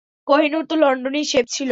কোহিনূর তো লন্ডনেই সেফ ছিল।